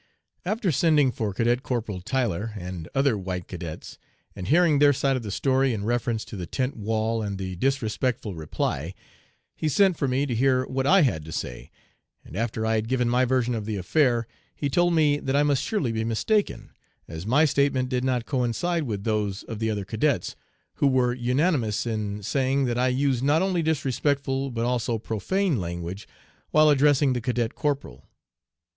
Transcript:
After sending for Cadet Corporal Tyler and other white cadets, and hearing their side of the story in reference to the tent wall and the disrespectful reply, he sent for me to hear what I had to say, and after I had given my version of the affair, he told me that I must surely be mistaken, as my statement did not coincide with those of the other cadets, who were unanimous in saying that I used not only disrespectful, but also profane language while addressing the cadet corporal.